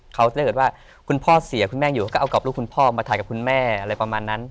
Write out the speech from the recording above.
เขาถ้าเกิดว่าคุณพ่อเสียคุณแม่อยู่เขาก็เอากับลูกคุณพ่อมาถ่ายกับคุณแม่อะไรประมาณนั้น